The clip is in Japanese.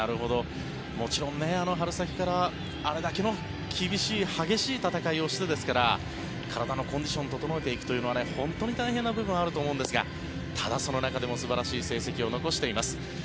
もちろん春先からあれだけの厳しい激しい戦いをしてですから体のコンディションを整えていくというのは本当に大変な部分があると思うんですがただ、その中でも素晴らしい成績を残しています。